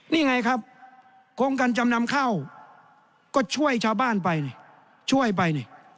นี่ไงครับโครงการจำนำเข้าก็ช่วยชาวบ้านไปนี่ช่วยไปนี่